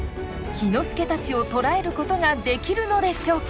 氷ノ介たちを捕らえることができるのでしょうか？